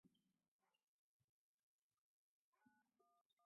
The eyes show light blue rings and light purple markings.